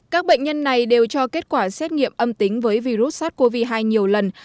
các bệnh nhân này đều cho kết quả xét nghiệm âm tính với virus sars cov hai nhiều lần